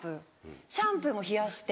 シャンプーも冷やして。